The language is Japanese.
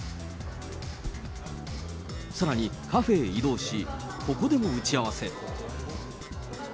さらにカフェへ移動し、ここでも打ち合わせ。